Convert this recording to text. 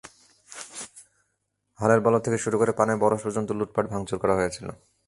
হালের বলদ থেকে শুরু করে পানের বরজ পর্যন্ত লুটপাট, ভাঙচুর করা হয়েছিল।